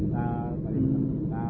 nah paling lima juta